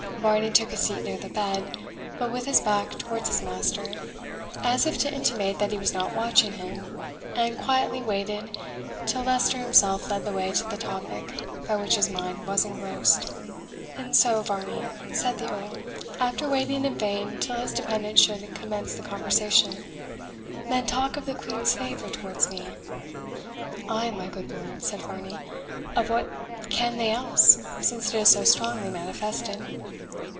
Varney took a seat near the bed, but with his back towards his master, as if to intimate that he was not watching him, and quietly waited till Leicester himself led the way to the topic by which his mind was engrossed. "And so, Varney," said the Earl, after waiting in vain till his dependant should commence the conversation, "men talk of the Queen's favour towards me?" "Ay, my good lord," said Varney; "of what can they else, since it is so strongly manifested?"